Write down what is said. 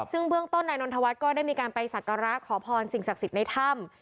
ซึ่งเบื้องต้นนายนนทวัฒน์ก็ได้มีการไปสักการะขอพรสิ่งศักดิ์สิทธิ์ในถ้ำ